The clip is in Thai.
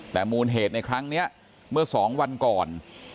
แต่มูลเหตุในครั้งนี้เมื่อ๒วันก่อน